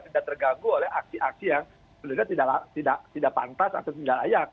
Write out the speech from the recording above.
tidak terganggu oleh aksi aksi yang sebenarnya tidak pantas atau tidak layak